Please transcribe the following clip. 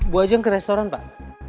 bu ajang ke restoran pak